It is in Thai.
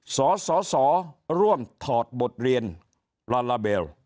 สสร่วมถอดบทเรียนลาลาเบล